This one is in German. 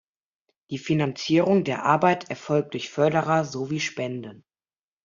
Die Finanzierung der Arbeit erfolgt durch Förderer sowie Spenden.